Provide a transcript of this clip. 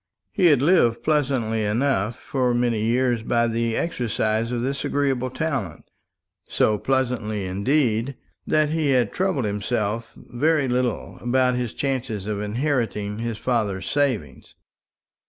He had lived pleasantly enough, for many years, by the exercise of this agreeable talent; so pleasantly indeed that he had troubled himself very little about his chances of inheriting his father's savings.